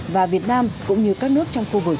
và việt nam cũng như các nước trong khu vực